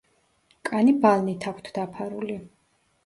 კანი ბალნით აქვთ დაფარული.